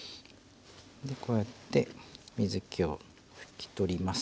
こうやって水けを拭き取ります。